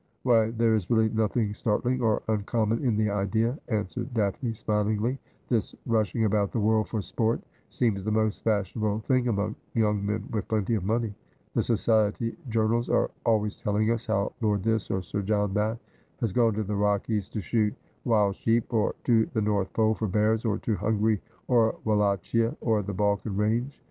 Why, there is really nothing startling or un common in the idea,' answered Daphne smilingly. ' This rush ing about the world for sport seems the most fashionable thing among young men with plenty of money. The Society Jour nals are always telling us how Lord This or Sir John That has gone to the Rockies to shoot wild sheep, or to the North Pole for bears, or to Hungary or Wallachia, or the Balkan range.